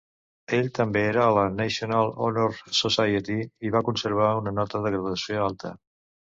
Ell també era a la National Honor Society i va conservar una nota de graduació alta.